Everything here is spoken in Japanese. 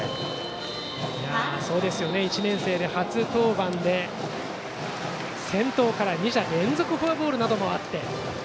１年生で初登板で先頭から２者連続のフォアボールなどもあって。